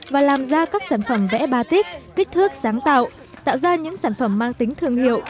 và làm ra các sản phẩm vẽ ba tích kích thước sáng tạo tạo ra những sản phẩm mang tính thương hiệu